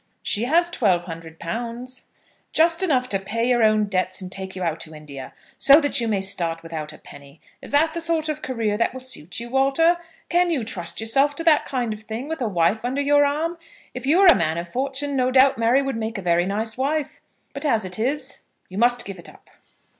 "She has twelve hundred pounds." "Just enough to pay your own debts, and take you out to India, so that you may start without a penny. Is that the sort of career that will suit you, Walter? Can you trust yourself to that kind of thing, with a wife under your arm? If you were a man of fortune, no doubt Mary would make a very nice wife; but, as it is, you must give it up."